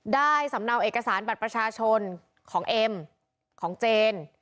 สำเนาเอกสารบัตรประชาชนของเอ็มของเจน